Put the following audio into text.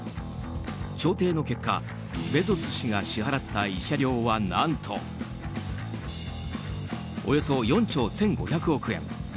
調停の結果、ベゾス氏が支払った慰謝料は何とおよそ４兆１５００億円。